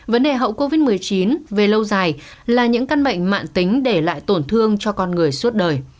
vấn đề hậu covid một mươi chín về lâu dài là những căn bệnh mạng tính để lại tổn thương cho con người suốt đời